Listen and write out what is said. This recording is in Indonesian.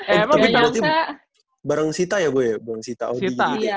emang berarti bareng sita ya gue ya